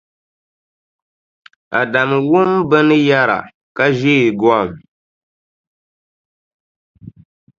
Adamu wum bɛ ni yɛra ka ʒeei gom.